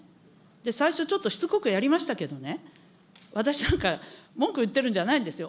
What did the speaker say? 最初ちょっとしつこくやりましたけどね、私なんか、文句言ってるんじゃないんですよ。